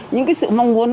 những cái sự mong muốn